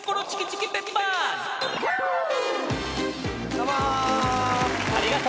どうも。